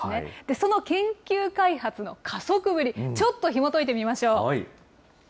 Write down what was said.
その研究開発の加速ぶり、ちょっとひもといてみましょう。